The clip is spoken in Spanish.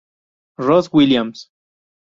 Rose Williams.